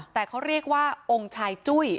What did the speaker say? แต่เขาเรียกว่าองค์ชายจุ้ย